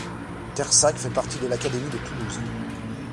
Terssac fait partie de l'académie de Toulouse.